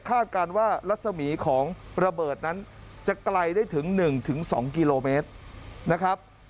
การว่ารัศมีของระเบิดนั้นจะไกลได้ถึง๑๒กิโลเมตรนะครับ